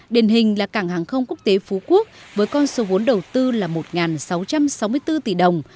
đền hình là cảng hàng không quốc tế phú quốc với con số vốn đầu tư là một sáu trăm sáu mươi bốn tỷ đồng